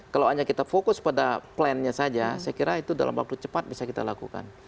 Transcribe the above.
kalau hanya kita fokus pada plannya saja saya kira itu dalam waktu cepat bisa kita lakukan